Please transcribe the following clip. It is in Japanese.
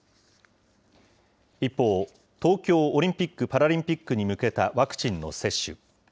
一方、東京オリンピック・パラリンピックに向けたワクチンの接種。